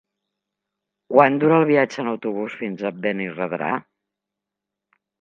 Quant dura el viatge en autobús fins a Benirredrà?